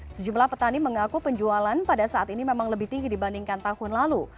sejumlah petani mengaku penjualan pada saat ini memang lebih tinggi dibandingkan tahun lalu